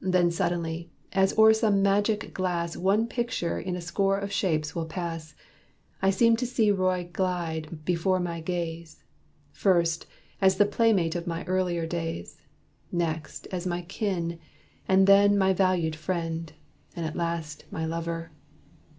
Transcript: Then suddenly, as o'er some magic glass One picture in a score of shapes will pass, I seemed to see Roy glide before my gaze. First, as the playmate of my earlier days Next, as my kin and then my valued friend, And last, my lover.